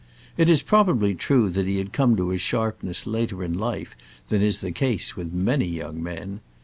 It is probably true that he had come to his sharpness later in life than is the case with many young men.